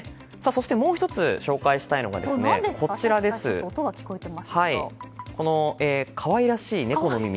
そして、もう１つ紹介したいのが可愛らしい猫の耳。